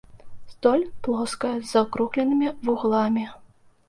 Столь плоская, з закругленымі вугламі.